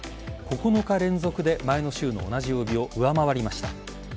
９日連続で前の週の同じ曜日を上回りました。